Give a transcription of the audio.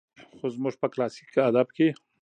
خو زموږ په کلاسيک ادب کې